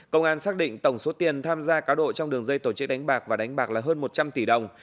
công an xác định tổng số tiền tham gia cáo độ trong đường dây tổ chức đánh bạc và đánh bạc là hơn một trăm linh tỷ đồng